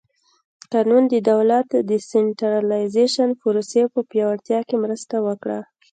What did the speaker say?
قانون د دولت د سنټرالیزېشن پروسې په پیاوړتیا کې مرسته وکړه.